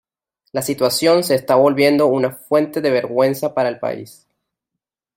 La situación se está volviendo una fuente de vergüenza para el país.